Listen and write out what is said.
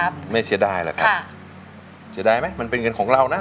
ไม่เสียดายแหละครับเสียดายไหมมันเป็นเงินของเรานะ